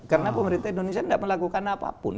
karena pemerintah indonesia tidak melakukan apapun